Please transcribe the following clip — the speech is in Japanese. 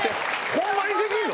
ホンマにできんの？